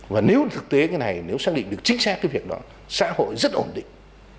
và nếu thực tế cái này nếu xác định được chính xác cái việc đó xã hội rất ổn định